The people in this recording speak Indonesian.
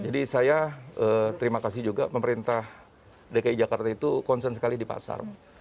jadi saya terima kasih juga pemerintah dki jakarta itu konsen sekali di pasar